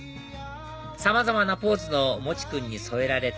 さまざまなポーズのモチ君に添えられた